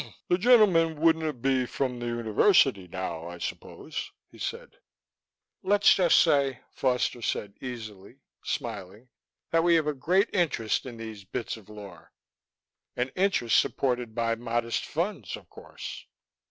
"The gentlemen wouldna be from the University now, I suppose?" he said. "Let's just say," Foster said easily, smiling, "that we have a great interest in these bits of lore an interest supported by modest funds, of course."